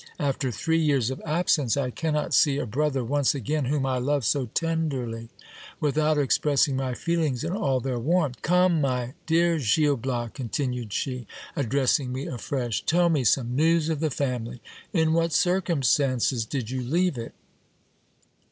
After three years of absence, I cannot see a brother once again, whom I love so tenderly, without expressing my feelings in all their warmth. Come ! my dear Gil Bias, continued she, addressing me afresh, tell me some news of the family : in what circumstances did you leave it